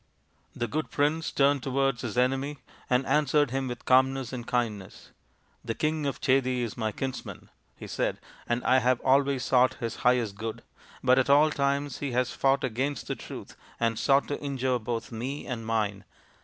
The good prince turned towards his enemy and answered him with calmness and kindness. " The King of Chedi is my kinsman," he said, " and I have always sought his highest good, but at all times he has fought against the truth and sought to injure both me and mine.